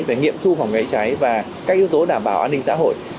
về nghiệm thu phòng cháy cháy và các yếu tố đảm bảo an ninh xã hội